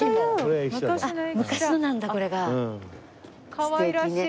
かわいらしい。